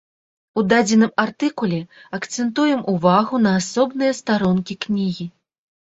У дадзеным артыкуле акцэнтуем увагу на асобныя старонкі кнігі.